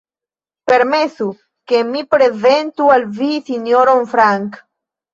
Permesu, ke mi prezentu al vi Sinjoron Frank.